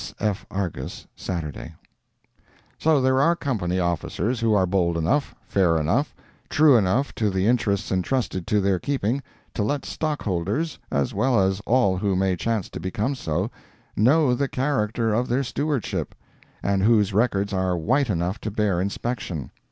—(S. F. Argus, Saturday.) So there are company officers who are bold enough, fair enough, true enough to the interests entrusted to their keeping, to let stockholders, as well as all who may chance to become so, know the character of their stewardship, and whose records are white enough to bear inspection.